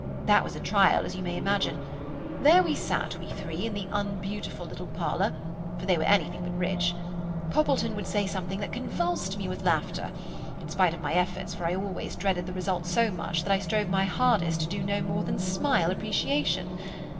That was a trial, as you may imagine. There we sat, we three, in the unbeautiful little parlour—for they were anything but rich. Poppleton would say something that convulsed me with laughter—in spite of my efforts, for I always dreaded the result so much that I strove my hardest to do no more than smile appreciation.